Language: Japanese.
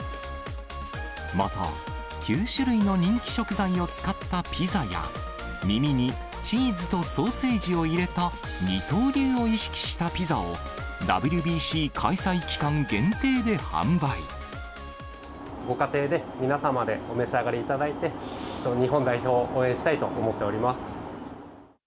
また、９種類の人気食材を使ったピザや、耳にチーズとソーセージを入れた二刀流を意識したピザを、ＷＢＣご家庭で、皆様で、お召し上がりいただいて、日本代表を応援したいと思っております。